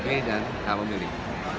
tak dipedan tak memilih